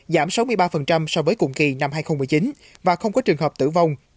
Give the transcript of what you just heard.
giảm sáu mươi ba so với cùng kỳ năm hai nghìn một mươi chín và không có trường hợp tử vong